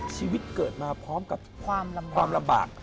ชีวิตเกิดมาพร้อมกับความลำบาก